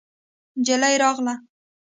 نجلۍ راغله.